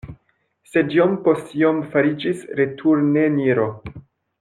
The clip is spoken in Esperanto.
Sed iom post iom fariĝis returneniro.